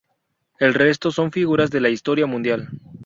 El resto son figuras de la historia mundial.